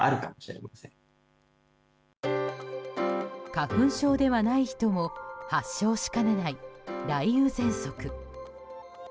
花粉症ではない人も発症しかねない、雷雨ぜんそく。